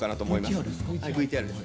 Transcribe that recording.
ＶＴＲです。